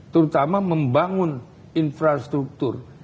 terutama membangun infrastruktur